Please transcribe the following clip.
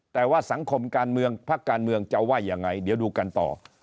แต่ว่าสังคมการเมืองพักการเมืองจะว่ายังไงเดี๋ยวดูกันต่อ